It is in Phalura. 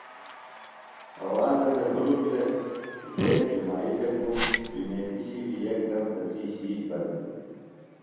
ہوا نہ بھےۡ ہُلُک دےۡ۔ زید جُمائی تھےگُوم۔ جمیتیۡ شیٹیۡ یکدم تسی شِیش بند بِھلیۡ۔